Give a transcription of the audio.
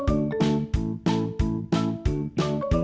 หอนาศาสที